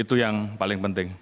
itu yang paling penting